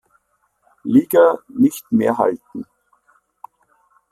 Liga nicht mehr halten.